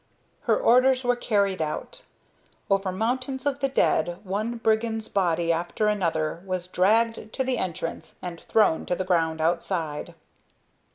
Her orders were carried out. Over mountains of the dead one brigand's body after another was dragged to the entrance and thrown to the ground outside.